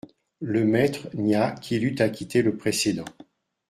Le maître nia qu'il eût acquitté le précédent.